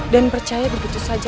dan percaya begitu saja